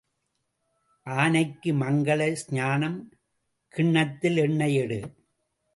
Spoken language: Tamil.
ஆனைக்கு மங்கள ஸ்நானம் கிண்ணத்தில் எண்ணெய் எடு.